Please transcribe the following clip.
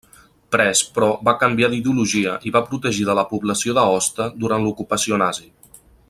Prest, però, va canviar d'ideologia i va protegir de la població d'Aosta durant l'ocupació nazi.